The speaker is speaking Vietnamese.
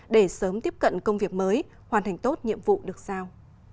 để sớm tiếp cận công việc mới hoàn thành tốt nhiệm vụ được sao